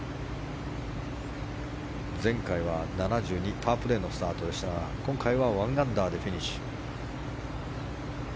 前回は７２パープレーのスタートでしたが今回は１アンダーでフィニッシュ。